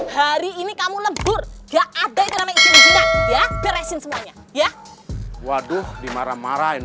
hari ini kamu lebur gak ada ya beresin semuanya ya waduh dimarah marahin